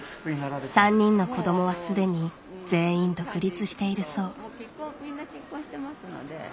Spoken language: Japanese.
３人の子どもはすでに全員独立しているそう。